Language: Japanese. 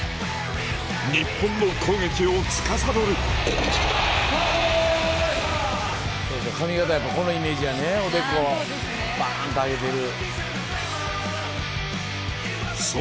日本の攻撃をつかさどる髪形やっぱこのイメージやねおでこバンと上げてる。